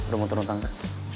udah mau turun tangga